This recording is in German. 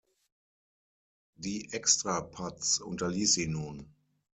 Die Extra-Putts unterließ sie nun.